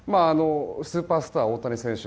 スーパースターの大谷選手